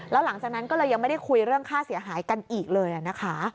แล้วหลังจากนั้นก็เลยยังไม่ได้คุยเรื่องค่าเสียหายกันอีกเลยนะคะ